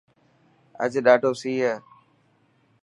اڄ ڏاڌو سي هي.